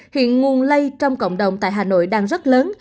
hiện nguồn lây trong cộng đồng tại hà nội đang rất lớn